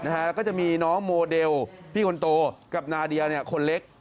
แล้วก็จะมีน้องโมเดลพี่คนโตกับนาเดียคนเล็ก